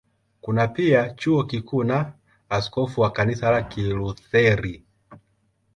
Kuna pia Chuo Kikuu na askofu wa Kanisa la Kilutheri.